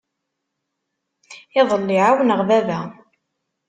Iḍelli ɛawneɣ baba.